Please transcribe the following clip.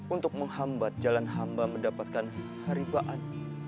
untuk menghambat jalan hamba mendapatkan haribaan